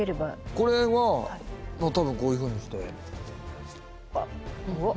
これは多分こういうふうにして。